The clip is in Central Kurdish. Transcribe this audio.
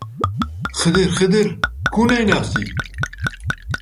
خدر، خدر، کوو نایناسی؟!